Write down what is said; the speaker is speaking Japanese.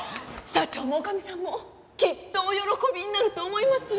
社長も女将さんもきっとお喜びになると思いますよ！